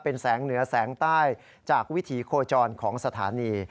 เป็นแสงเหนือแสงใต้จากวิถีโคจรของสถานี